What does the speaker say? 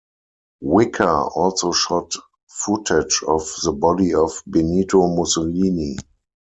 Whicker also shot footage of the body of Benito Mussolini.